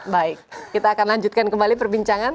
baik kita akan lanjutkan kembali perbincangan